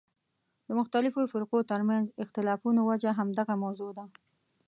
د مختلفو فرقو ترمنځ اختلافونو وجه همدغه موضوع ده.